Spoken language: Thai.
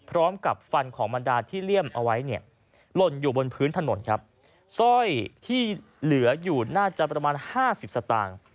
พร้อมกับฟันของบรรดาที่เลี่ยมเอาไว้เนี่ยหล่นอยู่บนพื้นถนนครับสร้อยที่เหลืออยู่น่าจะประมาณห้าสิบสตางค์